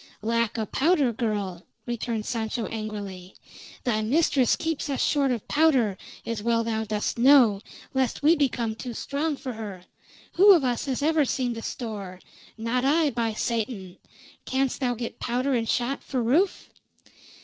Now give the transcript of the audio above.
"Lack o' powder, girl," returned Sancho angrily. "Thy mistress keeps us short of powder, as well thou dost know, lest we become too strong for her. Who of us has ever seen the store? Not I, by Satan! Canst thou get powder and shot for Rufe?"